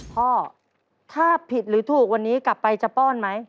พ่อถ้าผิดหรือถูกวันนี้กลับไปจะป้อนไหม